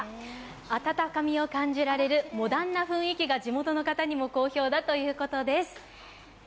温かみを感じられるモダンな雰囲気が地元の方にも好評だということです。